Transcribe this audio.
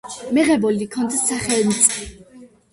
მიღებული ჰქონდა სახელმწ.